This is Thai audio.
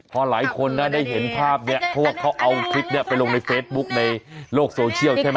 พอหลายคนนะได้เห็นภาพนี้เพราะว่าเขาเอาคลิปนี้ไปลงในเฟซบุ๊คในโลกโซเชียลใช่ไหม